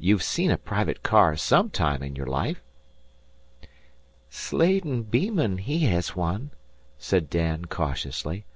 You've seen a private car some time in your life?" "Slatin Beeman he hez one," said Dan, cautiously.